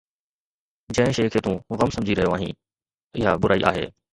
جنهن شيءِ کي تون غم سمجهي رهيو آهين، اها برائي آهي